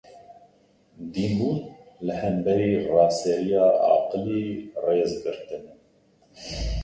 Dînbûn, li hemberî raseriya aqilî rêzgirtin e.